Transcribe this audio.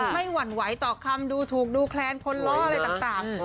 หวั่นไหวต่อคำดูถูกดูแคลนคนล้ออะไรต่าง